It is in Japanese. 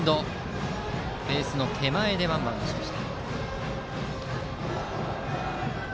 ベースの手前でワンバウンドしました。